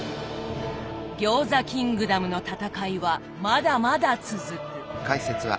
餃子キングダムの戦いはまだまだ続く。